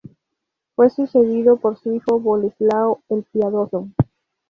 Fue sucedido por su hijo Boleslao el Piadoso.